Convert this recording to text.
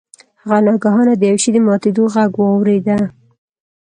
هغه ناگهانه د یو شي د ماتیدو غږ واورید.